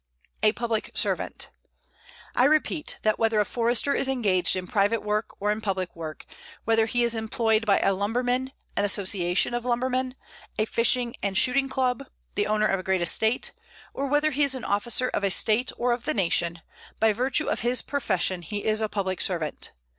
A PUBLIC SERVANT I repeat that whether a Forester is engaged in private work or in public work, whether he is employed by a lumberman, an association of lumbermen, a fishing and shooting club, the owner of a great estate, or whether he is an officer of a State or of the Nation, by virtue of his profession he is a public servant.